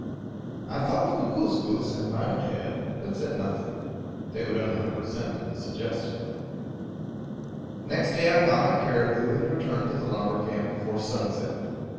I thought of Kookooskoos and my own head, but said nothing. They would only have resented the suggestion. Next day I found my caribou, and returned to the lumber camp before sunset.